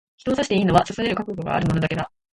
人を刺していいのは、刺される覚悟がある者だけだ。